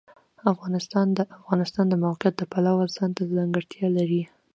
افغانستان د د افغانستان د موقعیت د پلوه ځانته ځانګړتیا لري.